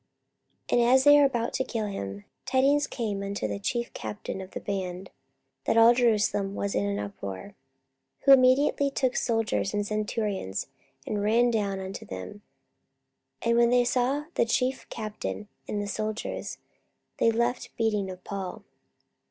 44:021:031 And as they went about to kill him, tidings came unto the chief captain of the band, that all Jerusalem was in an uproar. 44:021:032 Who immediately took soldiers and centurions, and ran down unto them: and when they saw the chief captain and the soldiers, they left beating of Paul.